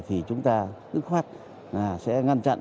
thì chúng ta tức khoát sẽ ngăn chặn